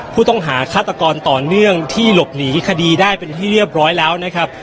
ผู้ต้องหาฆาตกรต่อเนื่องที่หลบหนีคดีได้เป็นที่เรียบร้อยแล้วนะครับ